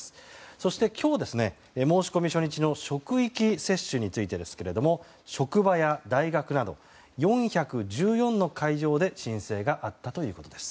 そして今日申し込み初日の職域接種ですが職場や大学など４１４の会場で申請があったということです。